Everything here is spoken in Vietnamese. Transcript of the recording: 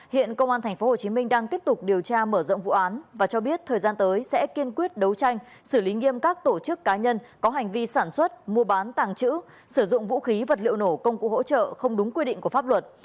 hiện công an tp hcm đang tiếp tục điều tra mở rộng vụ án và cho biết thời gian tới sẽ kiên quyết đấu tranh xử lý nghiêm các tổ chức cá nhân có hành vi sản xuất mua bán tàng trữ sử dụng vũ khí vật liệu nổ công cụ hỗ trợ không đúng quy định của pháp luật